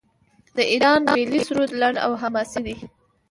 د ایران ملي سرود لنډ او حماسي دی.